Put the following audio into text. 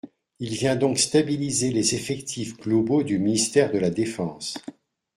Il vient donc stabiliser les effectifs globaux du ministère de la défense.